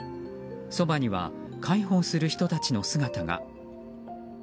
そばには介抱する人たちの姿が。